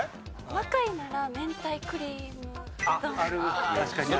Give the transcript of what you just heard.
若いなら明太クリームうどん。